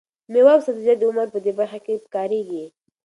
مېوه او سبزیجات د عمر په دې برخه کې پکارېږي.